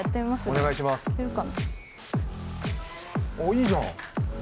おっ、いいじゃん。